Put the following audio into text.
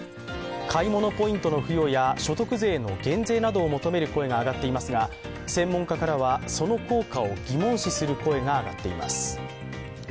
買い物ポイントの付与や所得税の減税などを求める声が上がっていますが専門家からはその効果を疑問視する声が上がっています。